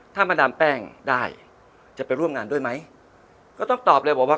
ถ้ามาดามแป้งได้จะไปร่วมงานด้วยไหมก็ต้องตอบเลยบอกว่า